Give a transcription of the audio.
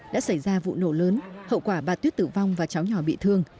đã xảy ra vụ nổ lớn hậu quả bà tuyết tử vong và cháu nhỏ bị thương